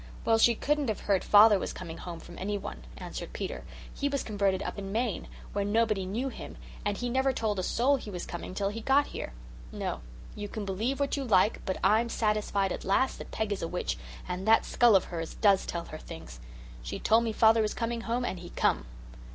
"Well, she couldn't have heard father was coming home from any one," answered Peter. "He was converted up in Maine, where nobody knew him, and he never told a soul he was coming till he got here. No, you can believe what you like, but I'm satisfied at last that Peg is a witch and that skull of hers does tell her things. She told me father was coming home and he come!"